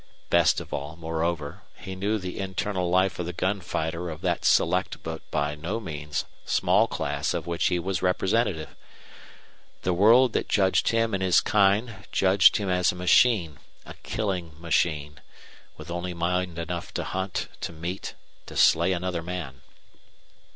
Best of all, moreover, he knew the internal life of the gun fighter of that select but by no means small class of which he was representative. The world that judged him and his kind judged him as a machine, a killing machine, with only mind enough to hunt, to meet, to slay another man.